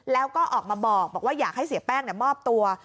แล้วก็ออกมาบอกว่าอยากให้เสียแป้งมอบตัว